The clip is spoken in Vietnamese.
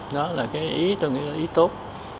đó là cái ý tôi nghĩ là ý tốt